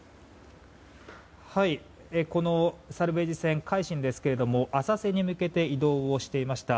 このサルベージ船「海進」ですが浅瀬に向けて移動をしていました。